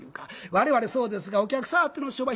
我々そうですがお客さんあっての商売。